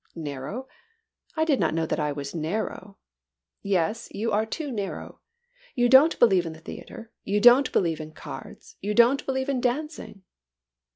"Narrow! I did not know that I was narrow." "Yes, you are too narrow. You don't believe in the theatre; you don't believe in cards; you don't believe in dancing."